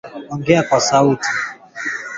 Ongeza unga wa karanga